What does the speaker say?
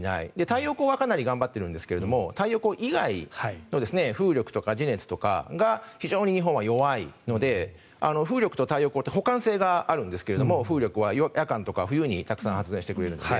太陽光はかなり頑張っているんですが太陽光以外の風力とか地熱とかが日本は非常に弱いので風力と太陽光って補完性があるんですが、風力は夜間とか冬にたくさん発電してくれるので。